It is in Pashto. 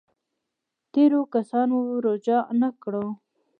تېرو کسانو راجع نه کړو.